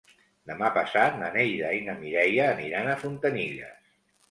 Demà passat na Neida i na Mireia aniran a Fontanilles.